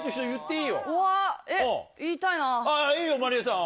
いいよまりゑさん。